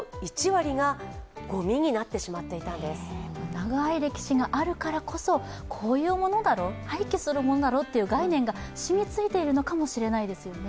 長い歴史があるからこそ、こういうものだろ、廃棄するものだろうという概念が染みついているのかもしれないですね。